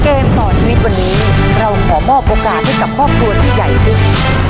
เกมต่อชีวิตวันนี้เราขอมอบโอกาสให้กับครอบครัวที่ใหญ่ขึ้น